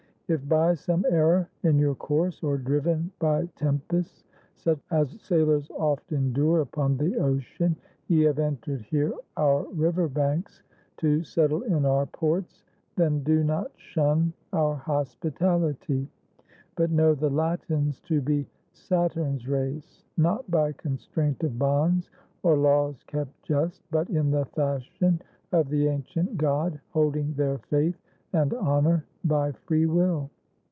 If by some error in your course, or driven By tempests, such as sailors oft endure Upon the ocean, ye have entered here Our river banks, to settle in our ports, Then do not shun our hospitaUty, But know the Latins to be Saturn's race. Not by constraint of bonds or laws kept just, But in the fashion of the ancient god Holding their faith and honor by free will.